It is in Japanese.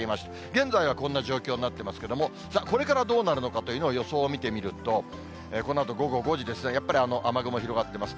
現在はこんな状況になってますけれども、これからどうなるのかというのを、予想を見てみると、このあと午後５時ですね、やっぱり雨雲広がっています。